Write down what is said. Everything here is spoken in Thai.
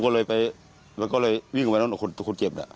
แล้วก็เลยวิ่งไปนั่นคนเจ็บน่ะ